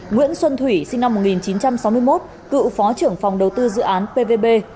nguyễn xuân thủy sinh năm một nghìn chín trăm sáu mươi một cựu phó trưởng phòng đầu tư dự án pvb